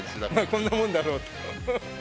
こんなもんだろうと。